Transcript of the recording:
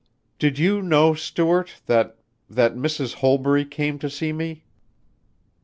"Did you know, Stuart, that that Mrs. Holbury came to see me?"